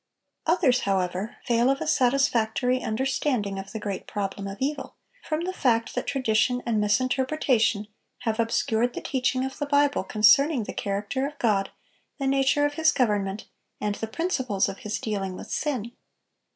Others, however, fail of a satisfactory understanding of the great problem of evil, from the fact that tradition and misinterpretation have obscured the teaching of the Bible concerning the character of God, the nature of His government, and the principles of His dealing with sin.